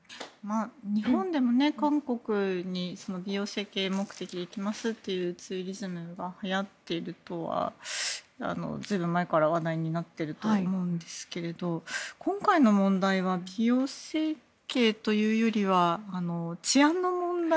日本でも、韓国に美容整形目的で行きますというツーリズムがはやっているとは随分前から話題になっていると思うんですけれど今回の問題は美容整形というよりは治安の問題。